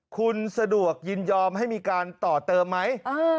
คุณสะดวกยินยอมให้มีการต่อเติมไหม